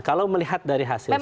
kalau melihat dari hasil survei